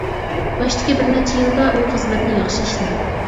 باشتىكى بىر نەچچە يىلدا ئۇ خىزمەتنى ياخشى ئىشلىدى.